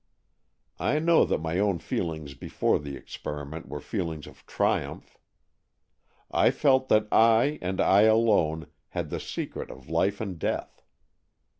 " I know that my own feelings before the experiment were feelings of triumph. I felt that I, and I alone, had the secret of life and death.